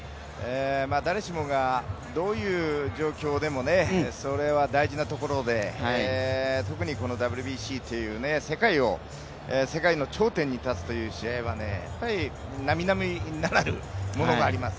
誰しもがどういう状況でもそれは大事なところで特にこのＷＢＣという世界の頂点に立つという試合は並々ならぬものがあります。